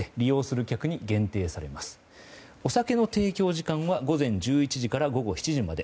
時間は午前１１時から午後７時まで。